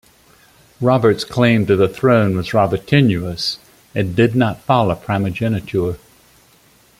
Robert's claim to the throne was rather tenuous and did not follow primogeniture.